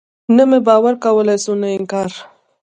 نه مې باور کولاى سو نه انکار.